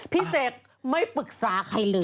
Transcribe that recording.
เสกไม่ปรึกษาใครเลย